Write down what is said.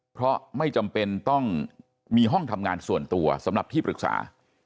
เพราะไม่จำเป็นต้องมีห้องทำงานส่วนตัวสำหรับที่ปรึกษา